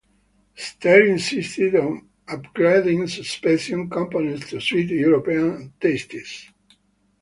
Steyr insisted on upgrading suspension components to suit European tastes.